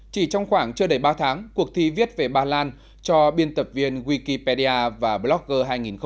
chỉ trong khoảng chưa đầy ba tháng cuộc thi viết về bà lan cho biên tập viên wikipedia và blogger hai nghìn một mươi chín